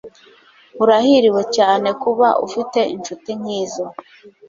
Urahiriwe cyane kuba ufite inshuti nkizo